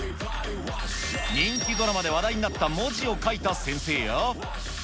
人気ドラマで話題になった文字を書いた先生や。